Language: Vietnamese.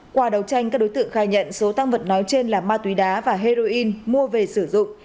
qua đầu tranh các đối tượng khai nhận số tăng vật nói trên là ma túy đá và heroin mua về sử dụng